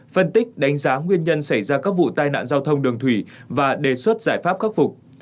phân tích đánh giá nguyên nhân xảy ra các vụ tai nạn giao thông đường thủy và đề xuất giải pháp khắc phục